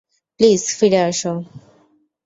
Please ফিরে আসো।